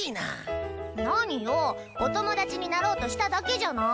何よお友達になろうとしただけじゃない。